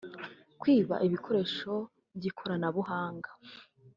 kwiba ibikoresho by’ ikoranabuhanga